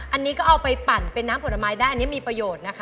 อันนี้ก็เอาไปปั่นเป็นน้ำผลไม้ได้อันนี้มีประโยชน์นะคะ